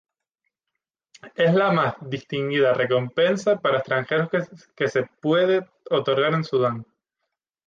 Es la más distinguida recompensa para extranjeros que se puede otorgar en Sudán.